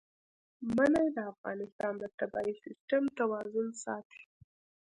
منی د افغانستان د طبعي سیسټم توازن ساتي.